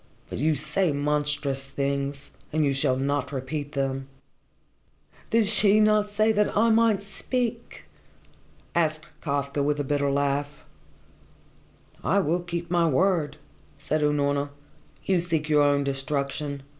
But you say monstrous things, and you shall not repeat them." "Did she not say that I might speak?" asked Kafka with a bitter laugh. "I will keep my word," said Unorna. "You seek your own destruction.